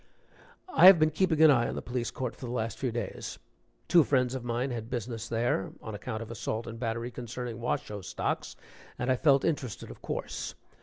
(I have been keeping an eye on the Police Court for the last few days. Two friends of mine had business there, on account of assault and battery concerning Washoe stocks, and I felt interested, of course.)